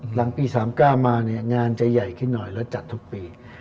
หลังปี๓๙มาเนี่ยงานจะใหญ่ขึ้นหน่อยแล้วจัดทุกปี